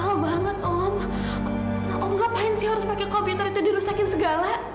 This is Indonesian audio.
om ngapain sih harus pakai komputer itu dirusakin segala